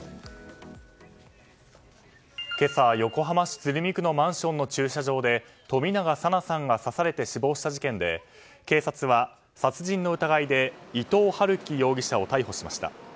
今朝、横浜市鶴見区のマンションの駐車場で冨永さんが刺されて殺害された事件で警察は殺人の疑いで伊藤龍稀容疑者を逮捕しました。